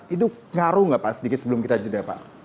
itu ngaruh nggak pak sedikit sebelum kita jeda pak